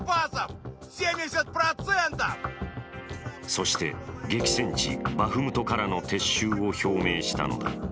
そして、激戦地バフムトからの撤収を表明したのだ。